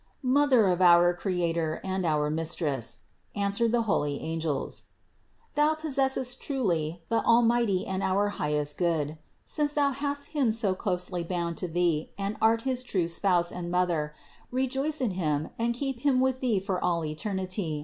245. "Mother of our Creator and our Mistress," an swered the holy angels, "Thou possessest truly the Al mighty and our highest Good. Since Thou hast Him so closely bound to Thee and art his true Spouse and Mother, rejoice in Him and keep Him with Thee for all eternity.